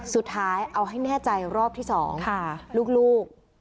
สุดท้ายเอาให้แน่ใจรอบที่๒ลูก